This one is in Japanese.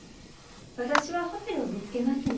私はホテルを見つけますんで。